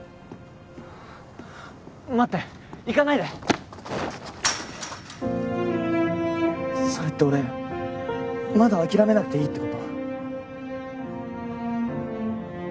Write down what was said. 待って行かないでそれって俺まだ諦めなくていいってこと？